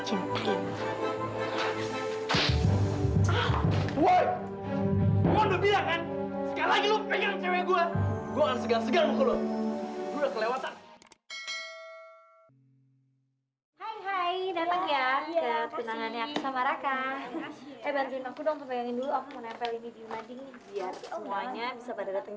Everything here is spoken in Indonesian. undangan undangan gua pesta pertunangan pesta pertunangan